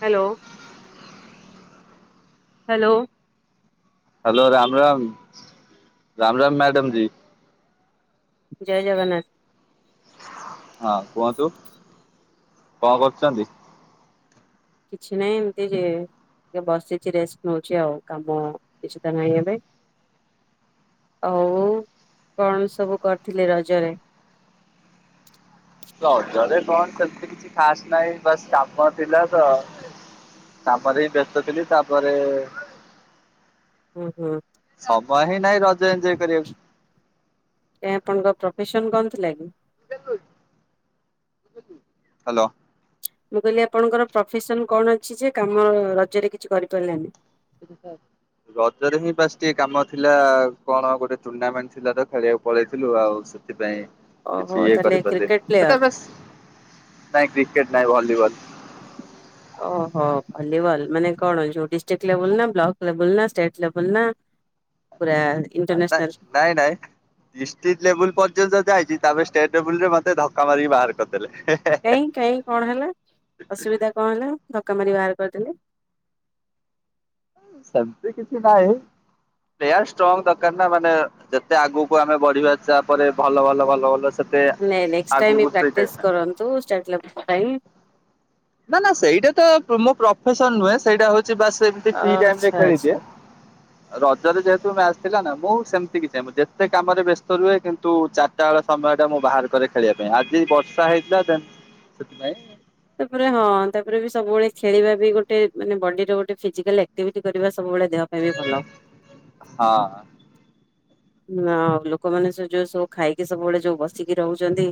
Hello. Hello. Hello Ram Ram Ram Ram madam ji. ଜୟ ଜଗନ୍ନାଥ। ହଁ କୁହନ୍ତୁ କଣ କରୁଛନ୍ତି? କିଛି ନାହିଁ ଏମିତି ଯେ ଟ ବସିଛି ରେଷ୍ଟ ନଉଛି ଆଉ କାମ କିଛି ତ ନାହିଁ ଏବେ ଆଉ କଣ ସବୁ କରିଥିଲେ ରଜରେ? କଣ ସେ କିଛି ଖାସ ନାହିଁ ବାସ୍ କାମ ଥିଲା ତ ତାପରେ ହିଁ ବ୍ୟସ୍ତ ଥିଲି ତାପରେ ହୁଁ ହୁଁ ସମୟ ହିଁ ନାହିଁ ରଜ ଏନଞଜୟ କରିବାକୁ। ଆପଣଙ୍କ ପ୍ରଫେସନ କଣ ଥିଲା କି? ହ୍ୟାଲୋ। ମୁଁ କହିଲି ଆପଣଙ୍କର ପ୍ରଫେସନ କଣ ଅଛି ଯେ କାମ ରଜରେ କିଛି କରିପାରିଲେନି। ସେଠ ସାର୍ ରଜରେ ହିଁ ପାସ୍ ଟିକେ କାମ ଥିଲା କଣ ଗୋଟେ ଟୁର୍ଣ୍ଣାମେଣ୍ଟ ଥିଲା ତ ଖେଳିବାକୁ ପଳେଇଥିଲୁ ଆଉ। ସେଥିପାଇଁ ଓହୋ କିଛି ଇଏ ତାହେଲେ କରିପାରିଲେ କ୍ରିକେଟ ପ୍ଲେୟର ସେଟା ବାସ ନାଇଁ କ୍ରିକେଟ ନାଇଁ ଭଲିବଲ ଓହୋ। ଭଲିବଲ୍ ମାନେ କଣ ଯୁ ଡିଷ୍ଟ୍ରିକ୍ଟ ଲେବୁଲ ନା ବ୍ଲକ ଲେବୁଲ ନା ଷ୍ଟେଟ୍ ଲେବୁଲ ନା ପୁରା ନାଇଁ ଇଣ୍ଟରନ୍ୟାସନାଲ ନାଇଁ ନାଇଁ ଦିଷ୍ଟିକ ଲେବୁଲ ପର୍ଯ୍ୟନ୍ତ ଯାଇଚି। ତାପରେ ଷ୍ଟେଟ ଲେବୁ ରେ ମେ ଧକ୍କା ମାରିହାରିକି ବାହାର କରିଦେଲେ। କାଇଁ କାଇଁ କଣ ହେଲା ଅସୁବିଧା କଣ ହେଲା? ଧକ୍କା ମାରି ବାହାର କରିଦେଲେ ସେମିତି କିଛି ନାହିଁ। ଏୟାଷ୍ଟ୍ରଙ୍ଗ ଦରକାର ନା ମାନେ ଯେତେ ଆଗକୁ ଆମେ ବଢିବା ତାପରେ ଭଲ ଭଲ ଭଲ ଭଲ ସେତେ ନାଇଁ ନାଇଁ ନେକ୍ସଟ୍ ଟାଇମ୍ ଆଗକୁ ସେଇଟା ପ୍ରାକ୍ଟିସ୍ କରନ୍ତୁ ଷ୍ଟାର୍ଟ ଲକ୍ ପାଇଁ। ନା ନା ସେଇଟା ତ ମୋ ପ୍ରଫେସନ ନୁହେଁ ସେଇଟା ହୋଉ ବାସ ଏମିତି ଫି ଟାଇ ରେ ଆଚ୍ଛା ଖେଳିଦିଏ। ଆଚ୍ଛା ରଜରେ ଯେହେତୁ ମ୍ୟା ଆଚ ଥିଲା ନା ମୁଁ ସେମିତି କି ଚାହିବ ଯେତେ କାମରେ ବ୍ୟସ୍ତ ରୁହେ କିନ୍ତୁ ଚାରିଟା ବେଳ ସମୟ ଟା ମୁଁ ବାହାର କରେ ଖେଳିବା ପାଇଁ ଆଜି ବର୍ଷା ହେଇଥିଲା ଦେ ସେଥିପାଇଁ ତା ହଁ ତାପରେ ବି ସବୁବେଳେ ଖେଳିବା ବି ଗୋଟେ ମାନେ ବଡିର ଗୋଟେ ଫିଜିକାଲ୍ ଆକ୍ଟିଭିଟି କରିବା ସବୁବେଳେ ଦେହ ପାଇଁ ବି ଭଲ। ହଁ ହ ଆଉ ଲୋକମାନୋନ ସବୁ ଯୋଉ ସବୁ ଖାଇକି ସବୁବେଳେ ଯୋଉ ବସିକି ରୋହୁଚନ୍ତି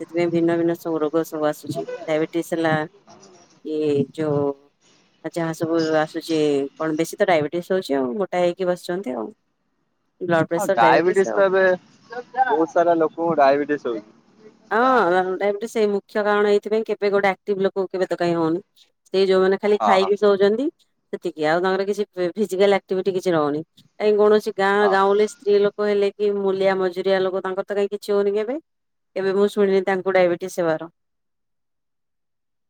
ସେଥିପାଇଁ ଭିନ୍ନ ଭିନ୍ନ ସବୁ ର ର ସବୁ ଆସୁଛି ଡାଇବେଟିସ୍ ହେଲା କି ଯୋଉ ଆ ଯାହା ସବୁ ଆସୁଛି କଣ ବେଶୀ ତ ଡାଇବେଟିସ ହୋଉଚି ଆଉ ମୋଟା ହେଇକି ବସିଚନ୍ତି ଆଉ। ହଁ ହଁ ଡାଇବେଟିସ ତ ଏବେ ବହୁତ ସାରା ଲୋକଙ୍କୁ ଡାଇବେଟିସ ହୋଉଛି ହଁ ସେଇ ମୁଖ୍ୟ କାରଣ ଏଇଥିପାଇଁ କେବେ ଗୋଟେ ଆକ୍ଟିଭ ଲୋକ କେବେ ତ କାଇଁ ହୋଇନି ସେଇ ଯୋଉମାନୋନ ଖାଲି ହଁ ହଁ ଖାଇକି ଶୋଉଚନ୍ତି। ସେତିକି ଆଉ ତାଙ୍କର କିଛି ଫିଜିକାଲ ଆକ୍ଟିଭିଟି କିଛିହନ କାଇଁ କୌଣସି ଗାଁ ହଁ ଗାଁରେ ସ୍ତ୍ରୀ ଲୋକ କହିଲେ କି ମୁଲିଆ ମଜୁରିଆ ଲୋକ ତାଙ୍କର ତ କାଇହିଁ କିଛି ହଉନି କେବେ ଏବେ ମୁଁ ଶୁଣିନି ତାଙ୍କୁ ଡାଇବେଟିସ୍ ହେବାର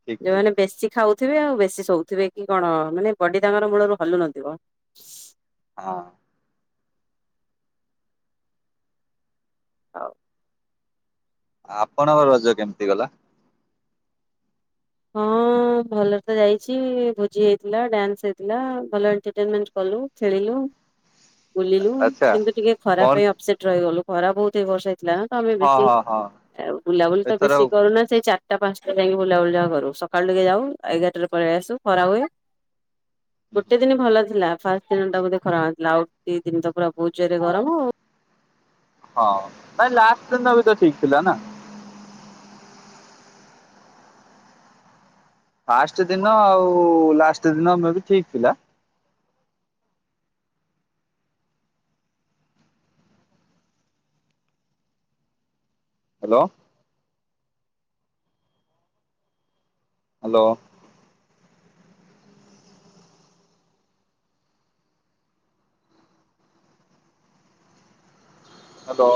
ଠିକ ଠିକ ଯୋଉମାନେ ବେଶୀ ଖାଉ ଥିବେ ଆଉ ବେଶୀ ଶୋଉଥିବେ କି କଣ ମାନେ ବଡି ତାଙ୍କର ମୂଳରୁ ହଲୁନଥିବ। ହଁ। ଆଉ। ଆପଣଙ୍କ ରଜ କେମିତି ଗଲା ହଁ। ହଁ ଭଲରେ ତ ଯାଇଛି ଭୋଜି ହେଇଥିଲା ଡନ୍ସ ହେଇଥିଲା ଭଲ ଏଟରଟେଣ୍ଟ କଲୁ ଖେଳିଲୁ ବୁଲିଲୁ ଆଚ୍ଛା କିନ୍ତୁ ଟିକେ ଖରା କଣ ପାଇଁ ଅପସେଟ ରହିଗଲୁ ଖରା ବହୁତ ଏଇ ବର୍ଷ ତମେ ହଁ ବେଶୀ ହଁ ହଁ ବୁଲାବୁଲି ତ ଏଥର ବେଶୀ କରୁନା ସେଇ ଚାରିଟା ପାଞ୍ଚଟା ଯାଇକି ବୁଲାବୁଲି ଯାହା କରୁ। ସକାଳୁ ଟିକେ ଯାଉ ଏଗାରଟରେ ପଳେଇ ଆସୁ ଖରା ହୁଏ ଗୋଟେ ଦିନ ଭଲ ଥିଲା। ଫା ତିନଟା ବେ ଖରା ହେଥିଲା ଆଉ ଦି ଦିନଟା ପୁରା ବହୁ ଜରେ ଗରମ ଆଉ ହଁ ନାଇଁ ଲାଷ୍ଟ ଦିନ ବି ତ ଠିକ ଥିଲା ନା। ଫାଷ୍ଟ ଦିନ ଆଉ ଲାଷ୍ଟ ଦିନ ମେ ବି ଠିକ ଥିଲା। ହାଲୋ। ହାଲୋ। ହାଲୋ।